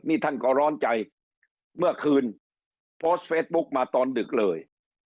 นี่ท่านก็ร้อนใจเมื่อคืนโพสต์เฟซบุ๊กมาตอนดึกเลย